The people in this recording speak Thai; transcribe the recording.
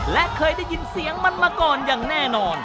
และเคยได้ยินเสียงมันมาก่อนอย่างแน่นอน